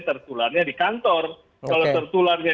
tertularnya di kantor kalau tertularnya